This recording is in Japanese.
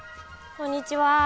こんにちは。